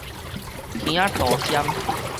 耳仔度針